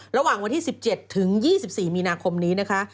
ระหว่างวันที่๑๗ถึง๒๔มีนาคมนี้นะคะ